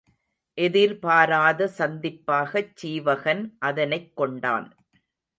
எதிர்பாராத சந்திப்பாகச் சீவகன் அதனைக் கொண்டான்.